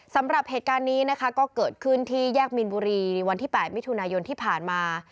สำหรับเหตุการณ์นี้นะคะก็เกิดขึ้นที่แยกมีนบุรีในวันที่๘มิถุนายนที่ผ่านมา